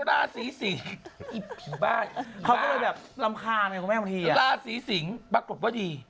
ราศีสิงปรากฏก็ดี